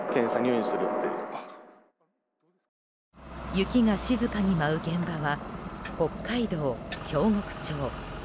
雪が静かに舞う現場は北海道京極町。